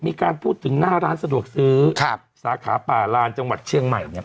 มีการพูดถึงหน้าร้านสะดวกซื้อครับสาขาป่าลานจังหวัดเชียงใหม่เนี่ย